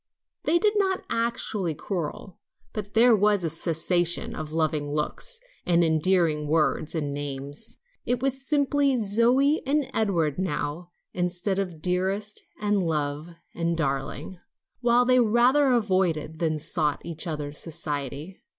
They did not actually quarrel, but there was a cessation of loving looks and endearing words and names. It was simply Zoe and Edward now instead of dearest and love and darling, while they rather avoided than sought each other's society.